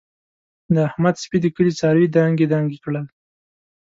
د احمد سپي د کلي څاروي دانګې دانګې کړل.